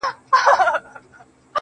ای د نشې د سمرقند او بُخارا لوري.